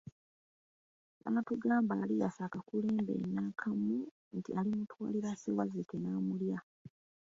N'atugamba aliyasa akakulembe n'akamu nti alimutwalira Ssewazzike n'amulya.